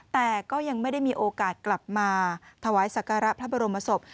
แต่ก็ยังไม่ได้มีโอกาสกลับมาถวายสักการะพระบรมศพ